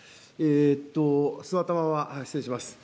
座ったまま失礼します。